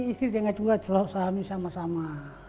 istri dengar juga suami sama sama